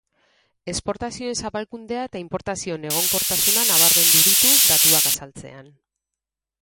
Esportazioen zabalkundea eta inportazioen egonkortasuna nabarmendu ditu datuak azaltzean.